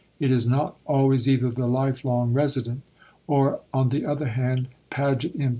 It is not always either the "life long resident," or, on the other hand, "Padgett, M.